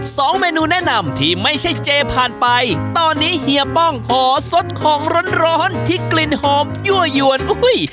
สองเมนูแนะนำที่ไม่ใช่เจผ่านไปตอนนี้เฮียป้องผอสดของร้อนร้อนที่กลิ่นหอมยั่วยวนอุ้ย